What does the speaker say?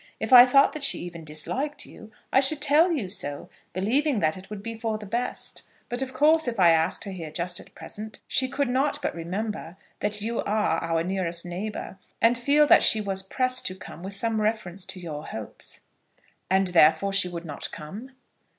If I thought that she even disliked you, I should tell you so, believing that it would be for the best. But of course if I asked her here just at present, she could not but remember that you are our nearest neighbour, and feel that she was pressed to come with some reference to your hopes." "And therefore she would not come?"